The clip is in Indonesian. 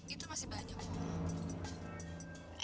itu masih banyak pok